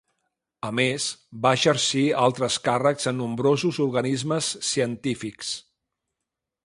A més va exercir altres càrrecs en nombrosos organismes científics.